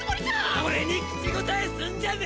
俺に口答えすんじゃね！